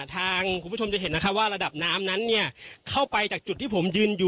คุณผู้ชมจะเห็นนะคะว่าระดับน้ำนั้นเนี่ยเข้าไปจากจุดที่ผมยืนอยู่